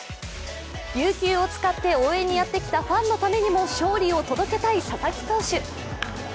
有給を使って応援にやってきたファンのためにも勝利を届けたい佐々木投手。